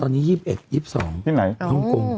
ตอนนี้๒๑๒๒ห้องกรุง